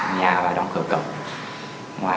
nhà và đóng cửa cổng